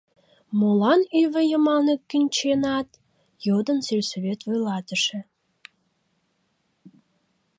«Молан ӱвӧ йымалне кӱнченат?» — йодын сельсовет вуйлатыше.